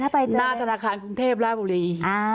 หน้าธนาคารกรุงเทพลาบุรี